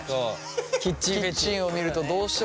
キッチンを見るとどうしても。